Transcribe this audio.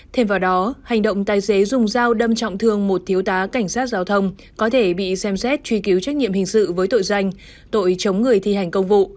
thêm vào đó hành động tài xế dùng dao đâm trọng thương một thiếu tá cảnh sát giao thông có thể bị xem xét truy cứu trách nhiệm hình sự với tội danh tội chống người thi hành công vụ